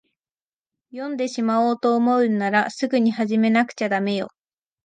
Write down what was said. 読んでしまおうと思うんなら、すぐに始めなくちゃだめよ。